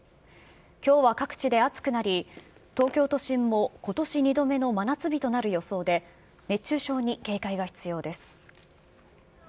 きょうは各地で暑くなり、東京都心もことし２度目の真夏日となる予想で、熱中症に警戒が必要です。